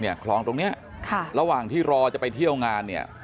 คลองตรงเนี้ยค่ะระหว่างที่รอจะไปเที่ยวงานเนี่ย